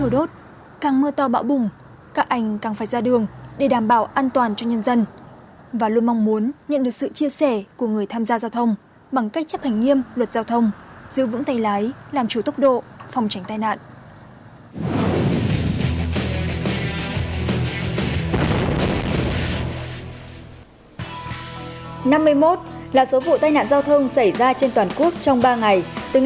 bộ tai nạn giao thông xảy ra trên toàn quốc trong ba ngày từ ngày một mươi tám đến ngày hai mươi tháng sáu làm chết ba người